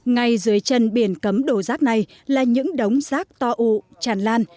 ngay dưới chân biển cấm đổ rác này là những đống rác to ụ tràn lan